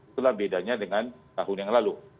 itulah bedanya dengan tahun yang lalu